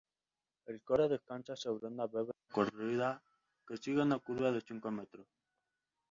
El coro descansa sobre una bóveda corrida que sigue una curva de cinco metros.